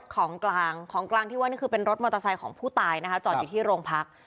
ของกลางของกลางที่ว่านี่คือเป็นรถมอเตอร์ไซค์ของผู้ตายนะคะจอดอยู่ที่โรงพัก